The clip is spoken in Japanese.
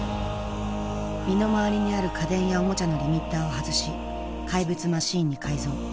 身の回りにある家電やおもちゃのリミッターを外し怪物マシンに改造。